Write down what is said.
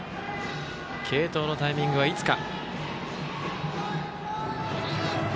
継投のタイミングはいつか。